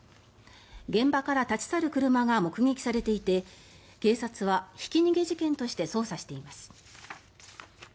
現場から立ち去る車が目撃されていて警察はひき逃げ事件として捜査しています。